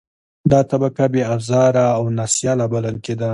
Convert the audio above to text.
دا طبقه بې آزاره او نا سیاله بلل کېدله.